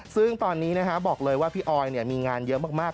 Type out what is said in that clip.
ซึ่งตอนนี้บอกเลยว่าพี่ออยมีงานเยอะมาก